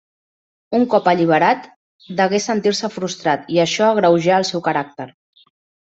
Un cop alliberat, degué sentir-se frustrat i això agreujà el seu caràcter.